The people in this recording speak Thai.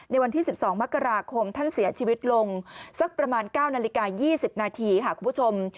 ในวันที่๑๒มกราคมท่านเสียชีวิตลงสักประมาณ๙นาฬิกา๒๐นาทีค่ะคุณผู้ชม